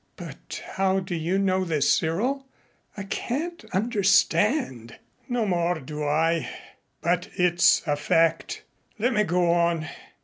"But how do you know this, Cyril? I can't understand." "No more do I, but it's a fact. Let me go on.